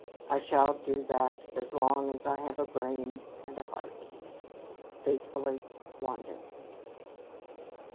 I shall do that as long as I have a brain and a heart. "Faithfully, "WANDER."